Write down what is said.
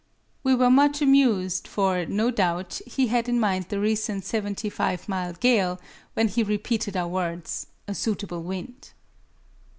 We were much amused, for, no doubt, he had in mind the recent 75 mile gale when he repeated our words, "a suitable wind!"